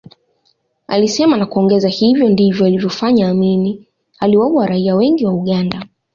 Alisema na kuongeza hivyo ndivyo alivyofanya Amin aliwaua raia wengi wa Uganda